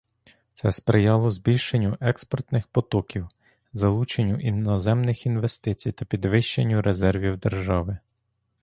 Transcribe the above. Це сприяло збільшенню експортних потоків, залученню іноземних інвестицій та підвищенню резервів держави.